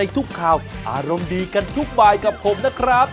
สวัสดีครับ